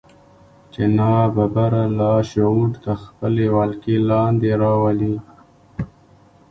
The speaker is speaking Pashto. چې ناببره لاشعور تر خپلې ولکې لاندې راولي.